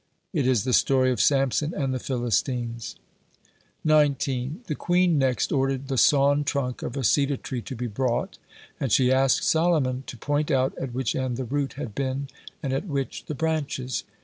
"It is the story of Samson and the Philistines." 19. The queen next ordered the sawn trunk of a cedar tree to be brought, and she asked Solomon to point out at which end the root had been and at which the branches.